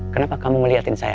kenapa kamu ngeliatin saya